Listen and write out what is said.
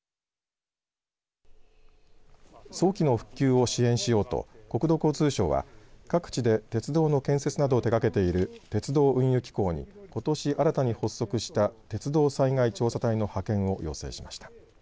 早期の復旧を支援しようと国土交通省は各地で鉄道の建設などを手がけている鉄道・運輸機構にことし新たに発足した鉄道災害調査隊の派遣を要請しました。